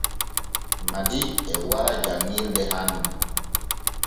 Madi e wara janŋirde hanne.